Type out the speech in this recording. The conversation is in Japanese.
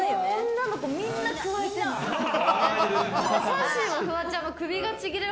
女の子、みんなくわえてる。